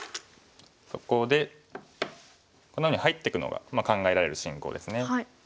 そこでこのように入っていくのが考えられる進行ですね。